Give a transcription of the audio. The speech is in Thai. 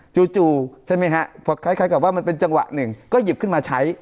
จู่ใช่ไหมฮะพอคล้ายกับว่ามันเป็นจังหวะหนึ่งก็หยิบขึ้นมาใช้